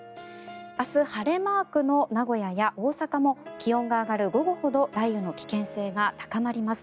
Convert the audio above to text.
明日、晴れマークの名古屋や大阪も気温が上がる午後ほど雷雨の危険性が高まります。